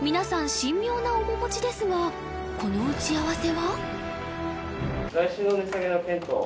神妙な面持ちですがこの打ち合わせは？